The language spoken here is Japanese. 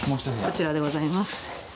こちらでございます。